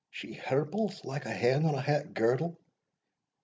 "She hirples like a hen on a het girdle.